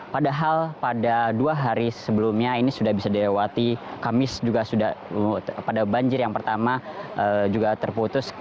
padahal pada dua hari sebelumnya ini sudah bisa dilewati kamis juga sudah pada banjir yang pertama juga terputus